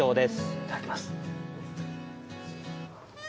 いただきます。